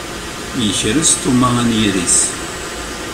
Yekres Thomas anyir-is.